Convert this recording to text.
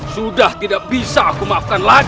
sudah tidak bisa aku maafkan lagi